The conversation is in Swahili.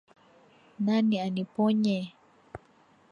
Nani aniponye?